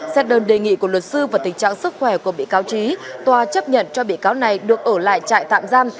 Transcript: xét đơn đề nghị của luật sư và tình trạng sức khỏe của bị cáo trí tòa chấp nhận cho bị cáo này được ở lại trại tạm giam